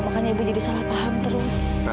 makanya ibu jadi salah paham terus